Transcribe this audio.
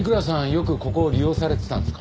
よくここを利用されてたんですか？